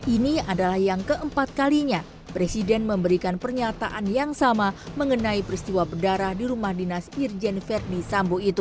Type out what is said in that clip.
ini adalah yang keempat kalinya presiden memberikan pernyataan yang sama mengenai peristiwa berdarah di rumah dinas irjen verdi sambo itu